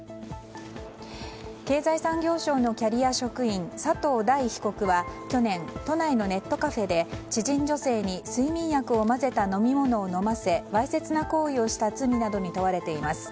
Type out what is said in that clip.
経済産業省のキャリア職員佐藤大被告は去年、都内のネットカフェで知人女性に睡眠薬を混ぜた飲み物を飲ませわいせつな行為をした罪などに問われています。